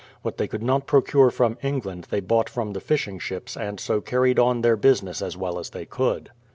What they could not procure from England they bought from the fishing ships and so carried on their business as well as they could.